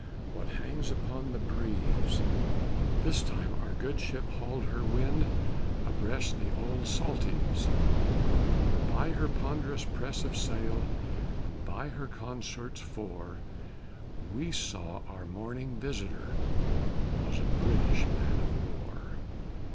What hangs upon the breeze? 'Tis time our good ship hauled her wind abreast the old Saltee's, For by her ponderous press of sail and by her consorts four We saw our morning visitor was a British man of war.